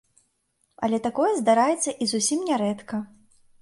Але такое здараецца і зусім не рэдка.